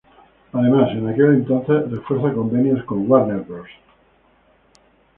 Además, en aquel entonces refuerza convenio con Warner Bros.